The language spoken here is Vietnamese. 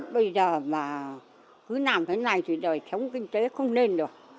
bây giờ mà cứ làm thế này thì đời sống kinh tế không nên được